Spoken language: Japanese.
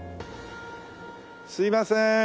すいません。